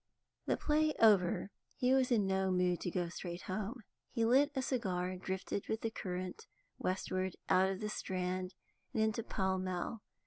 The play over, he was in no mood to go straight home. He lit a cigar and drifted with the current westward, out of the Strand and into Pall Mall.